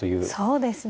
そうですね。